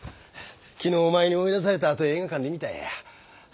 昨日お前に追い出されたあと映画館で見たんや。